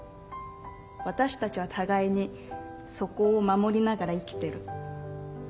私たちは互いにそこを守りながら生きてる。